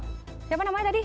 siapa namanya tadi